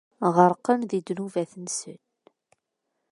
Ɣerqen di ddnubat-nsen.